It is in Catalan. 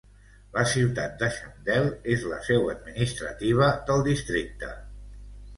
La ciutat de Chandel és la seu administrativa del districte.